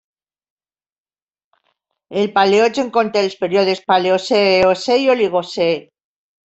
El Paleogen conté els períodes Paleocè, Eocè i Oligocè.